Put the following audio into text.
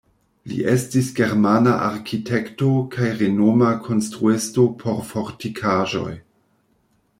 Li estis germana arkitekto kaj renoma konstruisto por fortikaĵoj.